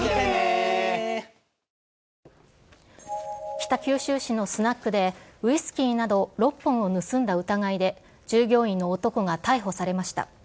北九州市のスナックで、ウイスキーなど６本を盗んだ疑いで、従業員の男が逮捕されました。